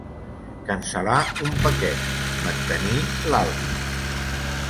Cancel·lar un paquet, mantenir l'altre.